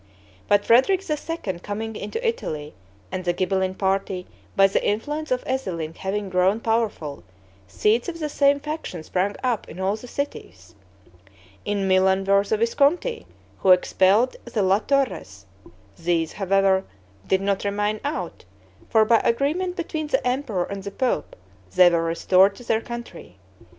But Frederick II. coming into Italy, and the Ghibelline party, by the influence of Ezelin having grown powerful, seeds of the same faction sprang up in all the cities. In Milan were the Visconti, who expelled the La Torres; these, however, did not remain out, for by agreement between the emperor and the pope they were restored to their country.